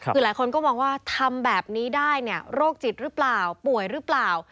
คือหลายคนก็มองว่าทำแบบนี้ได้เนี่ยโรคจิตหรือเปล่าป่วยหรือเปล่า